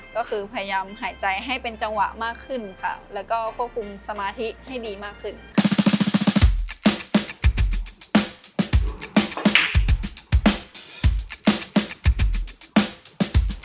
ก็คือพยายามหายใจให้เป็นจังหวะมากขึ้นค่ะแล้วก็ควบคุมสมาธิให้ดีมากขึ้นค่ะ